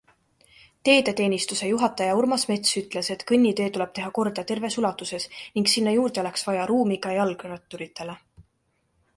Teedeteenistuse juhataja Urmas Mets ütles, et kõnnitee tuleb teha korda terves ulatuses ning sinna juurde oleks vaja ruumi ka jalgratturitele.